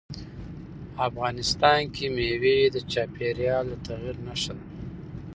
افغانستان کې مېوې د چاپېریال د تغیر نښه ده.